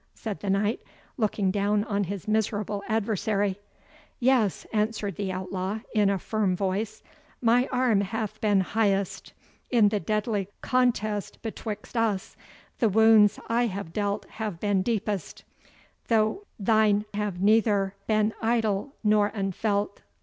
said the Knight, looking down on his miserable adversary. "Yes," answered the outlaw, in a firm voice, "my arm hath been highest. In the deadly contest betwixt us, the wounds I have dealt have been deepest, though thine have neither been idle nor unfelt.